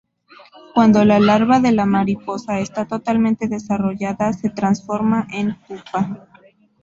Cuando la larva de la mariposa está totalmente desarrollada se transforma en pupa.